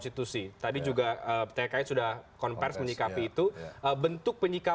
itu jelas dalam regulasinya